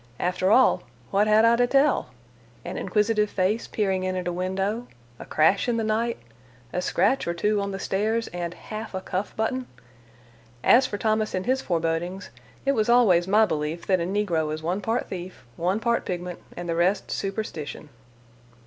After all, what had I to tell? An inquisitive face peering in at a window; a crash in the night; a scratch or two on the stairs, and half a cuff button! As for Thomas and his forebodings, it was always my belief that a negro is one part thief, one part pigment, and the rest superstition.